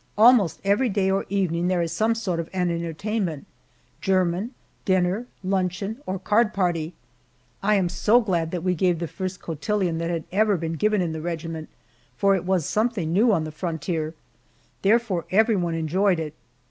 Almost every day or evening there is some sort of an entertainment german, dinner, luncheon, or card party. I am so glad that we gave the first cotillon that had ever been given in the regiment, for it was something new on the frontier; therefore everyone enjoyed it.